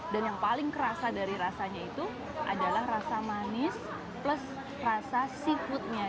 dan yang paling kerasa dari rasanya itu adalah rasa manis plus rasa seafoodnya